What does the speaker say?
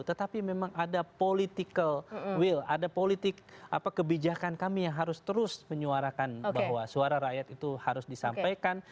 tetapi memang ada political will ada politik kebijakan kami yang harus terus menyuarakan bahwa suara rakyat itu harus disampaikan